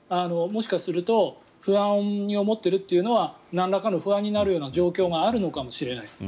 もしかすると不安に思っているっていうのはなんらかの不安になるような状況があるのかもしれない。